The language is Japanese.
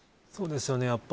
そうですよね。